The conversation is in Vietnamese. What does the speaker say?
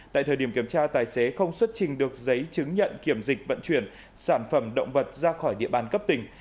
tại thời điểm kiểm tra tài xế không xuất trình được giấy chứng nhận kiểm dịch vận chuyển sản phẩm động vật ra khỏi địa bàn cấp tỉnh